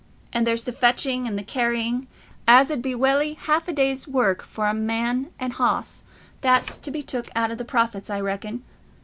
And there's the fetching and carrying, as 'ud be welly half a day's work for a man an' hoss—that's to be took out o' the profits, I reckon?